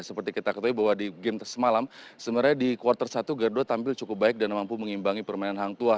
seperti kita ketahui bahwa di game semalam sebenarnya di kuartal satu garuda tampil cukup baik dan mampu mengimbangi permainan hang tua